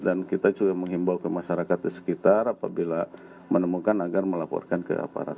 dan kita juga menghimbau ke masyarakat di sekitar apabila menemukan agar melaporkan ke aparat